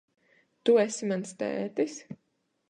Tu esi mans tētis?